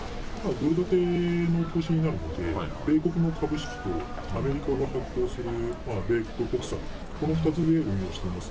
ドル建ての投資になるので、米国の株式とアメリカが発行する米国国債、この２つで運用しています。